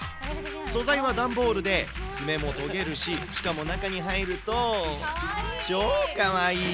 素材は段ボールで、爪もとげるし、しかも中に入ると、超かわいい。